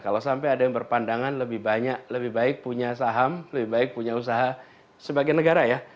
kalau sampai ada yang berpandangan lebih banyak lebih baik punya saham lebih baik punya usaha sebagai negara ya